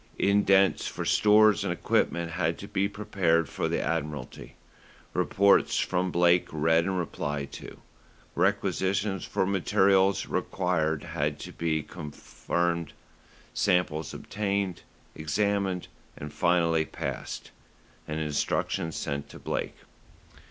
Indents for stores and equipment had to be prepared for the Admiralty, reports from Blake read and replied to, requisitions for materials required had to be confirmed, samples obtained, examined, and finally passed, and instructions sent to Blake.